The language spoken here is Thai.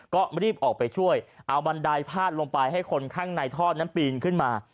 ก็รีบออกไปช่วยเอาบันไดพาดลงไปให้คนข้างในท่อนั้นปีนขึ้นมา